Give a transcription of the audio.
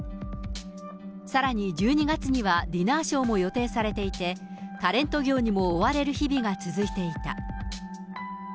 さらに１２月にはディナーショーも予定されていて、タレント業にも追われる日々が続いていた。